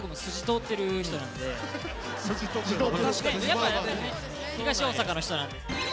やっぱ東大阪の人なんで。